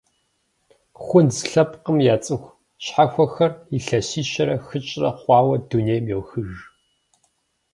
Хунз лъэпкъым я цӏыху щхьэхуэхэр илъэсищэрэ хыщӏрэ хъуауэ дунейм йохыж.